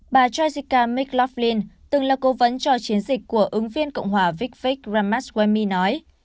bà jessica mclaughlin từng là cố vấn cho chiến dịch của ứng viên cộng hòa vic vic ramaswamy nói